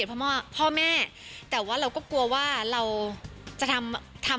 จะให้ขอคำถามให้เขาหลังเกดไหม